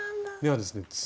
ではですね